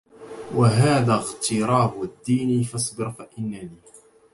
وهذا اغتراب الدين فاصبر فإنني